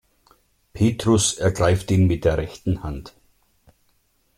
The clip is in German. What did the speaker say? Petrus ergreift ihn mit der rechten Hand.